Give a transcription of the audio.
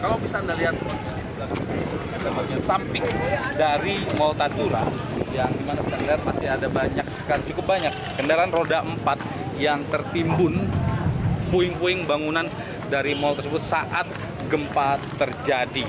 kalau bisa anda lihat samping dari mall tadura yang dimana saya lihat masih ada banyak sekali cukup banyak kendaraan roda empat yang tertimbun puing puing bangunan dari mal tersebut saat gempa terjadi